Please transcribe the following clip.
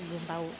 belum tahu ya